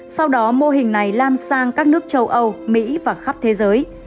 sau đó mô hình này lan sang các nước châu âu mỹ và khắp thế giới